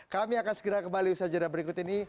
kami akan segera kembali usaha jadwal berikut ini